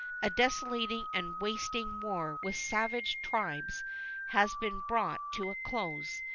A desolating and wasting war with savage tribes has been brought to a close.